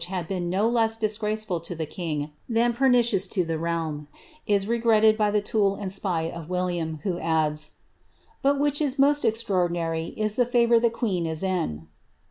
d been no less disgraceful to the king than pernicious to the regretted by the tool and spy of William, who adds, but Host extraordinary is the favour the queen is in."